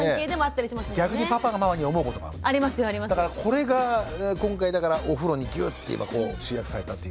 これが今回だからお風呂にギュッて今集約されたという。